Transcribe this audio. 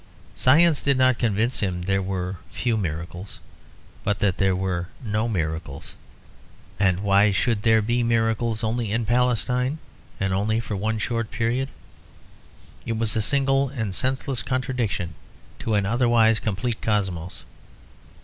Science did not convince him that there were few miracles, but that there were no miracles; and why should there be miracles only in Palestine and only for one short period? It was a single and senseless contradiction to an otherwise complete cosmos.